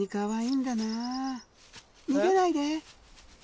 逃げないで！